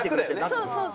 そうそうそうです。